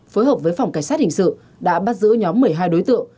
phối hợp với phòng cảnh sát hình sự đã bắt giữ nhóm một mươi hai đối tượng